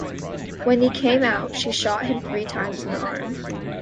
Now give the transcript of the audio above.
When he came out, she shot him three times in the arm.